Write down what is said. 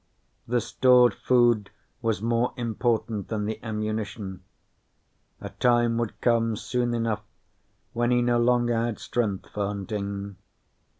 The stored food was more important than the ammunition. A time would come soon enough when he no longer had strength for hunting.